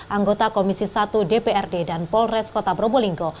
anggota komisi satu dprd dan polres kota probolinggo